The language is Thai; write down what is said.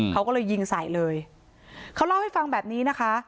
เขาก็เลยยิงใส่เลยเขาเล่าให้ฟังแบบนี้นะคะ